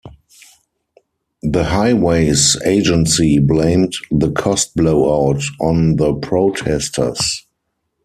The Highways Agency blamed the cost blow-out on the protesters.